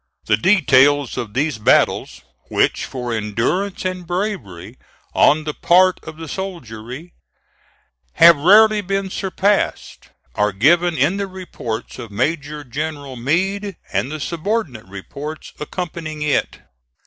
The details of these battles, which for endurance and bravery on the part of the soldiery, have rarely been surpassed, are given in the report of Major General Meade, and the subordinate reports accompanying it.